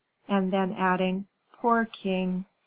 and then, adding, "Poor king!"